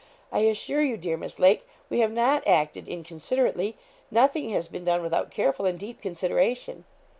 I assure you, dear Miss Lake, we have not acted inconsiderately nothing has been done without careful and deep consideration.'